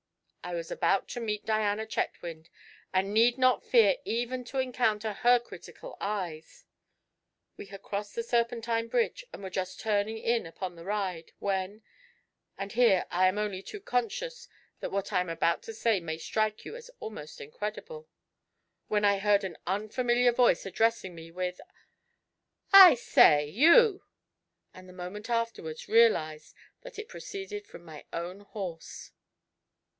I was about to meet Diana Chetwynd, and need not fear even to encounter her critical eyes. We had crossed the Serpentine bridge, and were just turning in upon the Ride, when and here I am only too conscious that what I am about to say may strike you as almost incredible when I heard an unfamiliar voice addressing me with, 'I say you!' and the moment afterwards realised that it proceeded from my own horse!